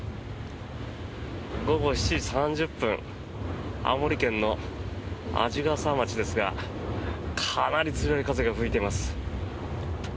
午後７時３０分青森県の鰺ヶ沢町ですがかなり強い風が吹いています。